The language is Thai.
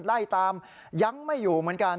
ไล่ตามยังไม่อยู่เหมือนกัน